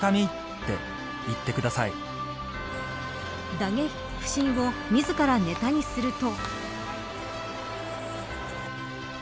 打撃不振を自らネタにすると。